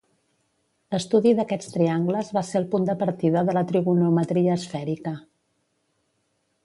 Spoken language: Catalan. L'estudi d'aquests triangles va ser el punt de partida de la trigonometria esfèrica.